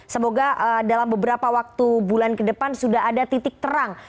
semoga dalam beberapa waktu bulan ke depan sudah ada titik terang